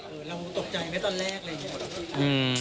เราตกใจไหมตอนแรกเลย